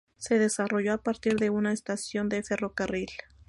Se desarrolló a partir de una estación de ferrocarril.